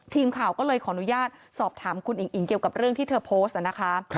ทีมข่าวก็เลยขออนุญาตสอบถามคุณอิงอิ๋งเกี่ยวกับเรื่องที่เธอโพสต์นะคะ